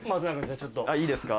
あっいいですか。